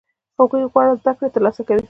هغوی غوره زده کړې ترلاسه کوي.